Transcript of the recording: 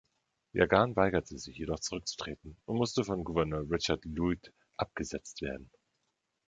Jagan weigerte sich jedoch, zurückzutreten, und musste von Gouverneur Richard Luyt abgesetzt werden.